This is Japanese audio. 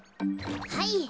はい。